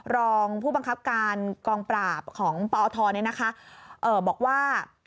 รองผู้บังคับการกองปราบของปอทบอกว่า